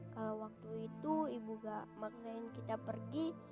kalau waktu itu ibu gak maknain kita pergi